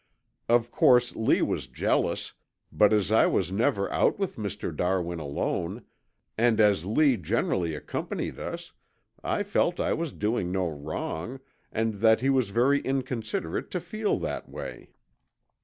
Of course, Lee was jealous, but as I was never out with Mr. Darwin alone, and as Lee generally accompanied us, I felt I was doing no wrong, and that he was very inconsiderate to feel that way.